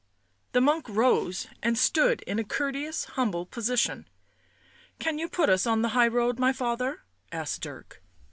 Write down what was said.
The monk rose and stood in a courteous, humble position. " Can you put us on the high road, my father?" asked Dirk.